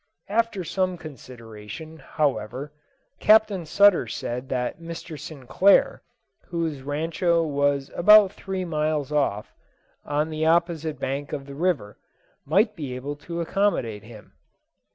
After some consideration, however, Captain Sutter said that Mr. Sinclair, whose rancho was about three miles off, on the opposite bank of the river, might be able to accommodate him.